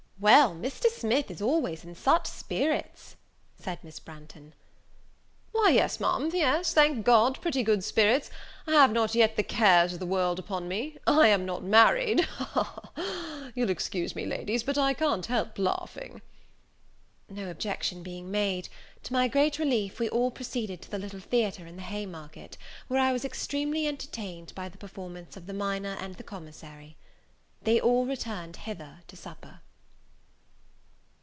"Well, Mr. Smith is always in such spirits!" said Miss Branghton. "Why, yes, Ma'am, yes, thank God, pretty good spirits; I have not yet the cares of the world upon me; I am not married, ha, ha, ha! you'll excuse me, ladies, but I can't help laughing!" No objection being made, to my great relief we all proceeded to the little theatre in the Haymarket, where I was extremely entertained by the performance of the Minor and the Commissary. They all returned hither to supper.